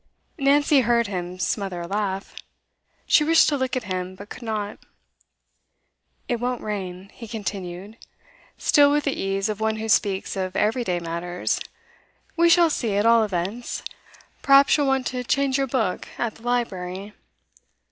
Nancy heard him smother a laugh. She wished to look at him, but could not. 'It won't rain,' he continued, still with the ease of one who speaks of everyday matters. 'We shall see, at all events. Perhaps you will want to change your book at the library.